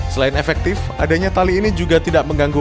selain efektif adanya tali ini juga tidak mengganggu